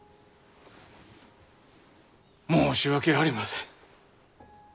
申し訳ありません！